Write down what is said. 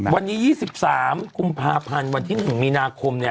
วันนี้๒๓กุมภาพันธ์วันที่๑มีนาคม